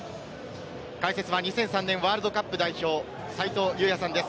解説は２００３年ワールドカップ代表・斉藤祐也さんです。